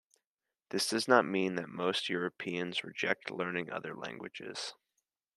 This does not mean that most Europeans reject learning other languages.